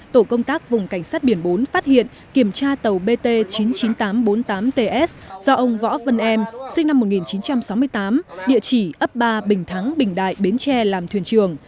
tổ công tác vùng cảnh sát biển bốn phát hiện kiểm tra tàu bt chín mươi chín nghìn tám trăm bốn mươi tám ts do ông võ vân em sinh năm một nghìn chín trăm sáu mươi tám địa chỉ ấp ba bình thắng bình đại bến tre làm thuyền trường